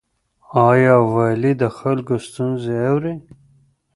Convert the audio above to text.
آیا والي د خلکو ستونزې اوري؟